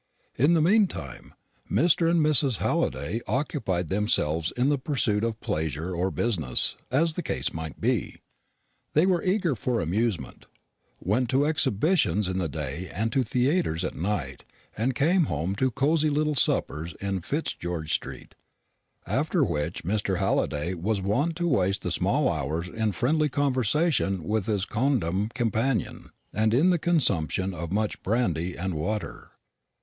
In the meantime Mr. and Mrs. Halliday occupied themselves in the pursuit of pleasure or business, as the case might be. They were eager for amusement: went to exhibitions in the day and to theatres at night, and came home to cozy little suppers in Fitzgeorge street, after which Mr. Halliday was wont to waste the small hours in friendly conversation with his quondam companion, and in the consumption of much brandy and water.